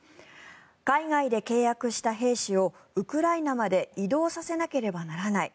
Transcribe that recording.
海外で契約した兵士をウクライナまで移動させなければならない。